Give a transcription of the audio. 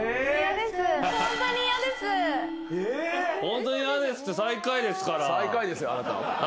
ホントに嫌ですって最下位ですから。